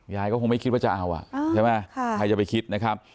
ก็คงไม่คิดว่าจะเอาอ่ะใช่ไหมใครจะไปคิดนะครับ